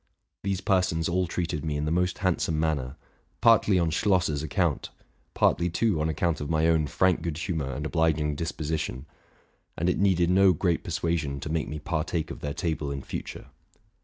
'These persons all treated me in the most hand some manner, partly on Schlosser's account — partly, too, on account of my own frank good humor and obliging dispo sition ; and it needed no great persuasion to make me par take of their table in future.